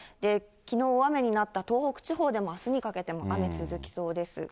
きのう雨になった東北地方でもあすにかけて雨続きそうです。